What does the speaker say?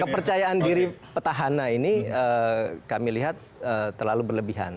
kepercayaan diri petahana ini kami lihat terlalu berlebihan